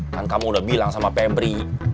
kan kamu udah bilang sama pembri